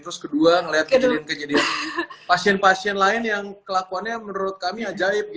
terus kedua melihat kejadian kejadian pasien pasien lain yang kelakuannya menurut kami ajaib